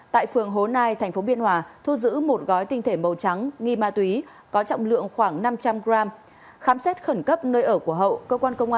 tại phường hồ nai tp biên hòa thu giữ một gói tinh thể màu trắng nghi ma túy có trọng lượng khoảng năm trăm linh g